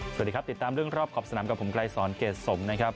สวัสดีครับติดตามเรื่องรอบขอบสนามกับผมไกลสอนเกรดสมนะครับ